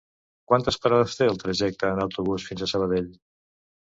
Quantes parades té el trajecte en autobús fins a Sabadell?